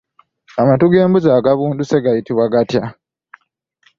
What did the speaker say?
Amatu g'embuzi agabunduse gayitibwa gatya?